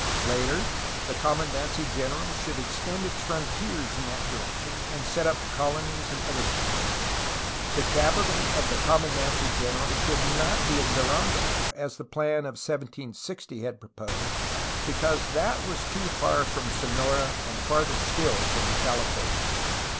Later, the commandancy general should ex tend its frontiers in that direction and set up colonies in other ports. The capital of the commandancy general should not be in Durango, as the plan of 1760 had proposed, because that was too far from Sonora and farther still from the Californias.